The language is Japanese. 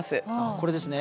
これですね。